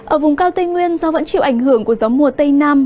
ở vùng cao tây nguyên do vẫn chịu ảnh hưởng của gió mùa tây nam